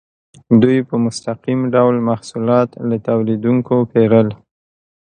دوی په مستقیم ډول محصولات له تولیدونکو پیرل.